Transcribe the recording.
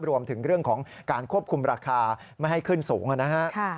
รวมถึงเรื่องของการควบคุมราคาไม่ให้ขึ้นสูงนะฮะ